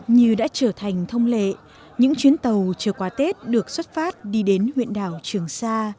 như đã trở thành thông lệ những chuyến tàu chờ qua tết được xuất phát đi đến huyện đảo trường sa